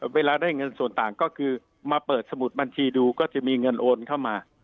เวลาได้เงินส่วนต่างก็คือมาเปิดสมุดบัญชีดูก็จะมีเงินโอนเข้ามา